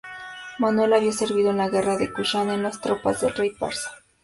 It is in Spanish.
Manuel había servido en la Guerra de Kushan en las tropas del rey persa.